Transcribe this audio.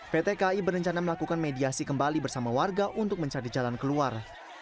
pt kai berencana melakukan mediasi kembali bersama warga untuk mencari jalan keluar